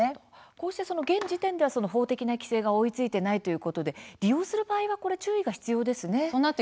こうして現時点では法的な規制が追いついていないということで利用する場合は注意が必要ですね。